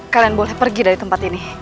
kalian boleh pergi dari tempat ini